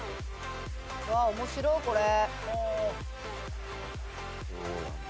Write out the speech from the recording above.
うわっ面白っこれ。